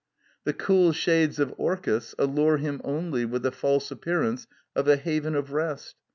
The cool shades of Orcus allure him only with the false appearance of a haven of rest.